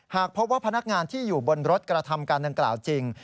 หากพบว่าพนักงานที่อยู่บนรถกระทำการดังกล่าวจริง